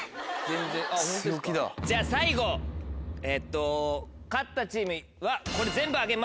じゃあ最後えっと勝ったチームは。